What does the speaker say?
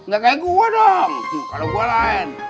gak kayak gua dong kalo gua lain